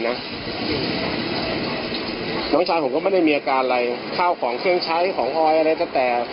น้องชายผมก็ไม่ได้มีอาการอะไรข้าวของเครื่องใช้ของออยอะไรก็แต่